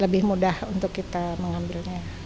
lebih mudah untuk kita mengambilnya